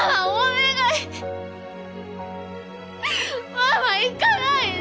ママいかないで！